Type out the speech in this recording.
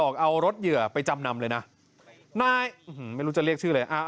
คือคนที่มีประวัติแบบเนี่ยคือเยอะ